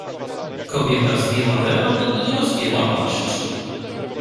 "Kobieta zdjęła welon i rozpięła płaszcz."